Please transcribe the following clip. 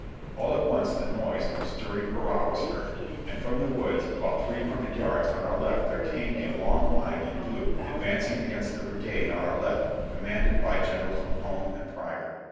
All at once the noise of a stirring hurrah was heard, and from the woods about three hundred yards on our left there came a long line in blue advancing against the brigade on our left, com manded by Generals Mahone and Prior.